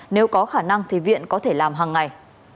nếu có khả năng thì viện có thể làm hàng ngày